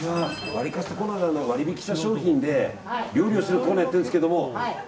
ワリカツってコーナーで割引した商品で料理をするコーナーをやってるんですけど。